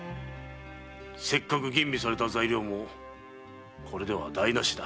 せっかく吟味された材料もこれでは台なしだ。